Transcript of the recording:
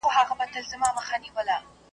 یوه حاجي مي را په شا کړله د وریجو بوجۍ .